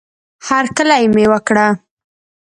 هرکلی مې وکړه